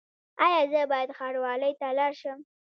ایا زه باید ښاروالۍ ته لاړ شم؟